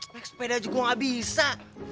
naik sepeda aja gue gak bisa